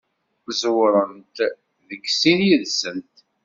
Ẓewrent deg sin yid-sent.